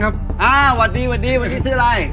สวัสดีหวัดดีหวัดดีซึ่งอะไร